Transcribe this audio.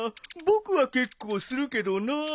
僕は結構するけどなぁ。